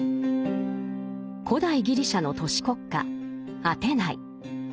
古代ギリシャの都市国家アテナイ。